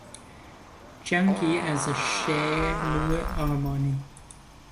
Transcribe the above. جنگی از شعر نو ارمنی